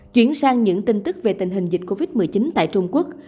chuyển sang những tin tức về tình hình dịch covid một mươi chín tại trung quốc